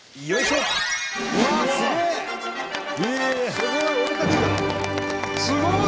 すごい！